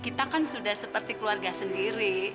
kita kan sudah seperti keluarga sendiri